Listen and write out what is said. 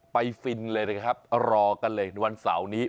ฟินเลยนะครับรอกันเลยวันเสาร์นี้